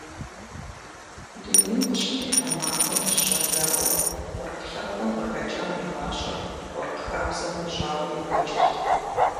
Дунейм къыщытехьа махуэм къыщыщӏэдзауэ уэркъ лъэпкъым къыхэкӏам и гъащӏэр уэркъ хабзэм пыщӏауэ екӏуэкӏырт.